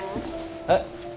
えっ？